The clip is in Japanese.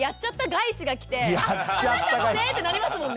返しが来てあなたもねってなりますもんね。